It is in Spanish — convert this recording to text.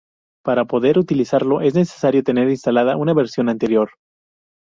Para poder utilizarlo es necesario tener instalada una versión anterior.